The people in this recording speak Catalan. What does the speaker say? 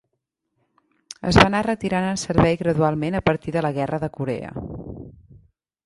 Es va anar retirant en servei gradualment a partir de la Guerra de Corea.